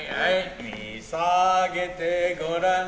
見下げてごらん。